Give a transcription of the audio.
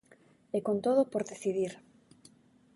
E con todo por decidir.